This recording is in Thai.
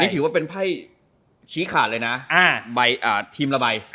ถือว่าเป็นไพ่ชี้ขาดเลยนะใบทีมละใบ